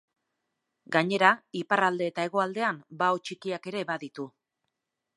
Gainera, iparralde eta hegoaldean bao txikiak ere baditu.